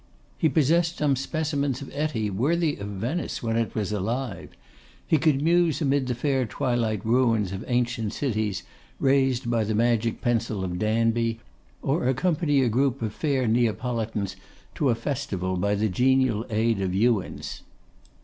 He possessed some specimens of Etty worthy of Venice when it was alive; he could muse amid the twilight ruins of ancient cities raised by the magic pencil of Danby, or accompany a group of fair Neapolitans to a festival by the genial aid of Uwins.